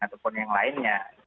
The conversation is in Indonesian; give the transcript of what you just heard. ataupun yang lainnya